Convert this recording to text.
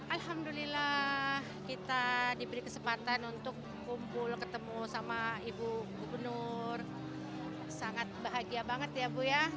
alhamdulillah kita diberi kesempatan untuk kumpul ketemu sama ibu gubernur sangat bahagia banget ya bu ya